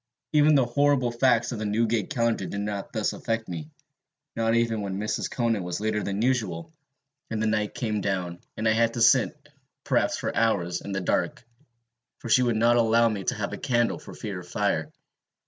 Even the horrible facts of the Newgate Calendar did not thus affect me, not even when Mrs. Conan was later than usual, and the night came down, and I had to sit, perhaps for hours, in the dark, for she would not allow me to have a candle for fear of fire.